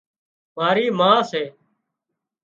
ماري ما سي